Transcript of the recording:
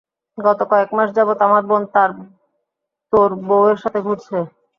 গত কয়েকমাস যাবৎ আমার বোন তোর বউয়ের সাথে ঘুরছে।